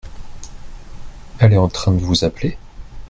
Elle est en train de vous appeler ?